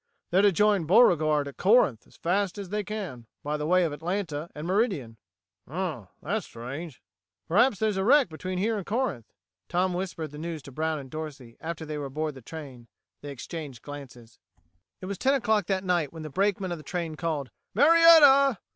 They're to join Beauregard at Corinth as fast as they can by the way of Atlanta and Meridian." "Hm m m, that's strange!" "Perhaps there's a wreck between here and Corinth." Tom whispered the news to Brown and Dorsey after they were aboard the train. They exchanged glances. It was ten o'clock that night when the brakeman of the train called, "Marietta!"